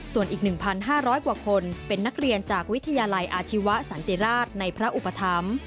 ส่วนอีก๑๕๐๐กว่าคนเป็นนักเรียนจากวิทยาลัยอาชีวะสันติราชในพระอุปถัมภ์